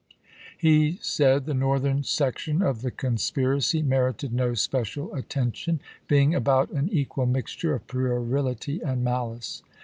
He said the Northern section of the conspiracy merited no special attention, being about an equal mixture of puerility and malice.